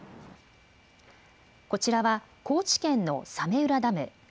こちらは高知県の早明浦ダム。